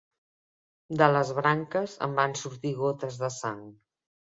De les branques en van sortir gotes de sang.